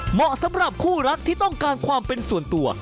เหมาะสำหรับคู่รักที่ต้องการความเป็นส่วนตัว